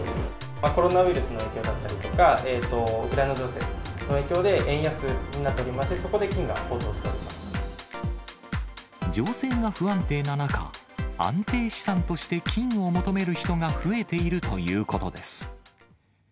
コロナウイルスの影響だったりとか、ウクライナ情勢の影響で、円安になっておりまして、情勢が不安定な中、安定資産として金を求める人が増えているということです。